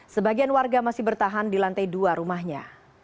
sebagian warga masih bertahan di lantai dua rumahnya